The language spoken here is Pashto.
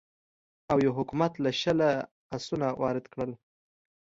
اویو حکومت له شله اسونه وارد کړل.